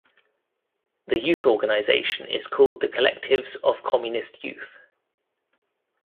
The youth organization is called the Collectives of Communist Youth.